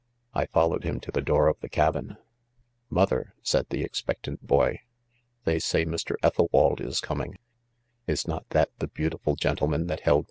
,'£ I followed him to the. door of the cabin .— ".Mother," said the, expectant boy, "they say Mr. Ethelwald is coming ; 'is not that the beau tiful gentleman that held